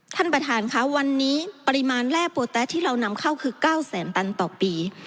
ท่านประธานค่ะวันนี้ปริมาณแร่โปแต๊ะที่เรานำเข้าคือ๙แสนตันต่อปี